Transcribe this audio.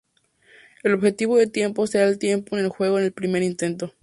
El objetivo de tiempo será el tiempo en el juego en el primer intento.